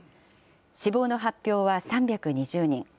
死亡の発表は３２０人。